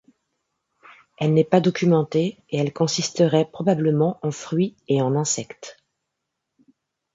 Elle n’est pas documentée et elle consisterait probablement en fruits et en insectes.